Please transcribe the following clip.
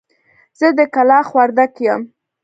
زه د کلاخ وردک يم.